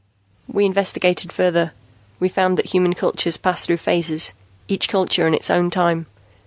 "We investigated further. We found that human cultures pass through phases, each culture in its own time.